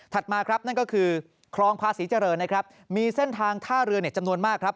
ถัดมานั่นก็คือคลองพาศรีเจริญมีเส้นทางท่าเรือจำนวนมาก